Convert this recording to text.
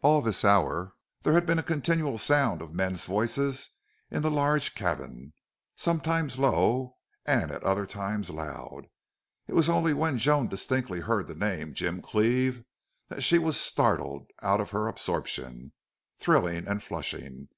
All this hour there had been a continual sound of men's voices in the large cabin, sometimes low and at other times loud. It was only when Joan distinctly heard the name Jim Cleve that she was startled out of her absorption, thrilling and flushing.